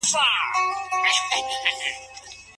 څوک کولای سي د خوارۍ په مټ خپل برخلیک بدل کړي؟